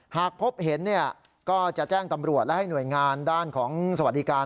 หากพบเห็นก็จะแจ้งตำรวจและให้หน่วยงานด้านของสวัสดิการ